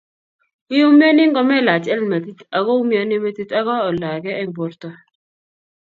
iumianii ngomelach helmetit ago umian metit ago oldaage eng borto